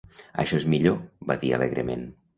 "Això és millor", va dir alegrement.